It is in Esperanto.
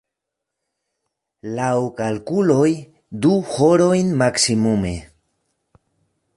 Laŭ kalkuloj, du horojn maksimume.